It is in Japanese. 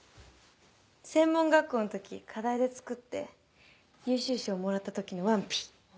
専門学校の時課題で作って優秀賞もらった時のワンピ。